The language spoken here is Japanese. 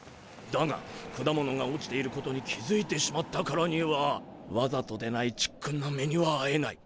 だが果物が落ちていることに気づいてしまったからにはわざとでないちっくんな目にはあえない。